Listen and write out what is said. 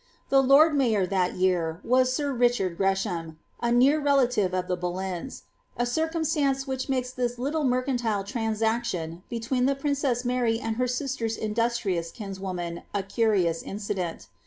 The lord mayor that year was sir Richard Greshaoil near relative of the Boleyns, a circumstance which makes this lldi mercantile transaction between the princess Mary and her sistet^ inM trious kinswoman a curious incident.